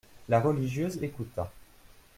La religieuse écouta.